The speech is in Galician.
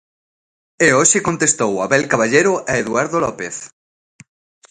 E hoxe contestou Abel Caballero a Eduardo López.